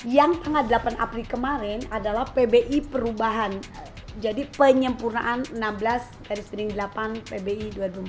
yang tanggal delapan april kemarin adalah pbi perubahan jadi penyempurnaan enam belas dari spring delapan pbi dua ribu empat belas